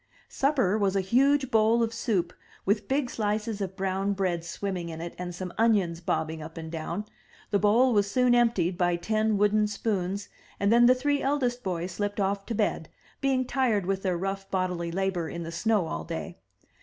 Supper was a huge bowl of soup, with big slices of brown bread swimming in it and some onions bobbing up and down; the bowl was soon emptied by ten wooden spoons, and then the three eldest boys slipped off to bed, being tired with their rough bodily labor in the snow all day.